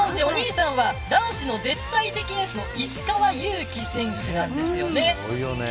皆さんご存じお兄さんは男子の絶対的なエースの石川祐希選手なんですよね。